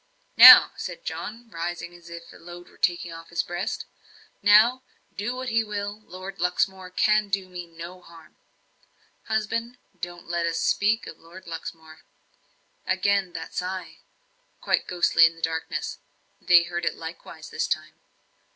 "Now," said John, rising, as if a load were taken off his breast "now, do what he will Lord Luxmore cannot do me any harm." "Husband, don't let us speak of Lord Luxmore." Again that sigh quite ghostly in the darkness. They heard it likewise this time.